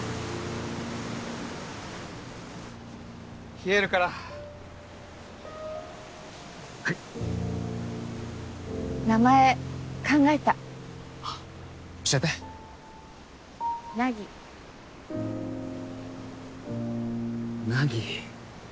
冷えるからはい名前考えた教えて凪凪